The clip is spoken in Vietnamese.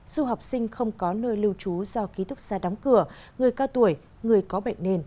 dù học sinh không có nơi lưu trú do ký túc xa đóng cửa người cao tuổi người có bệnh nền